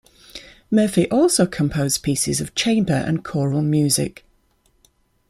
Murphy also composed pieces of chamber and choral music.